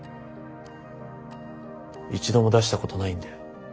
一度も出したことないんで。